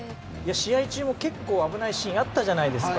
試合中も結構危ないシーンあったじゃないですか。